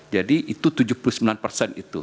jadi itu tujuh puluh sembilan persen itu